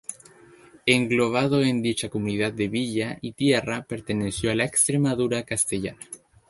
Englobado en dicha Comunidad de Villa y Tierra, perteneció a la Extremadura Castellana.